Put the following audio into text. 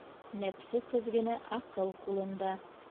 Нәпсе теҙгене аҡыл ҡулында.